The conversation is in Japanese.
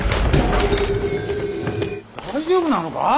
大丈夫なのか？